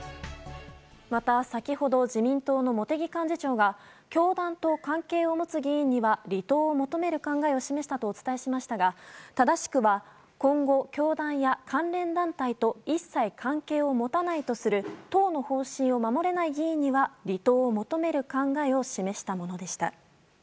また、先ほど自民党の茂木幹事長が教団と関係を持つ議員には離党を求める考えを示したとお伝えしましたが正しくは今後、教団や関連団体と一切関係を持たないとする党の方針を守れない議員には離党を求める考えを示したものでした。